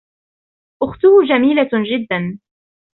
أخته جميلة جدا.